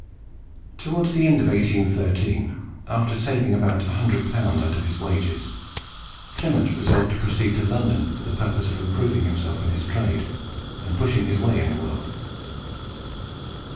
Towards the end of 1813, after saving about 100L. out of his wages, Clement resolved to proceed to London for the purpose of improving himself in his trade and pushing his way in the world.